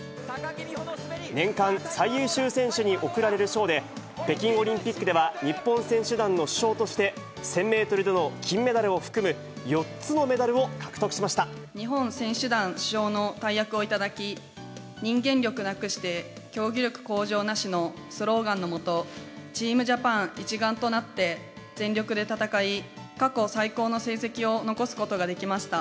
年間最優秀選手に贈られる賞で、北京オリンピックでは、日本選手団の主将として、１０００メートルでの金メダルを含む、４つのメダルを獲得しまし日本選手団主将の大役を頂き、人間力なくして競技力向上なしのスローガンの下、チームジャパン一丸となって全力で戦い、過去最高の成績を残すことができました。